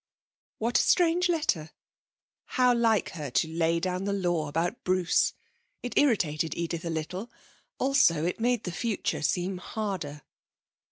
What a strange letter. How like her to lay down the law about Bruce! It irritated Edith a little, also it made the future seem harder.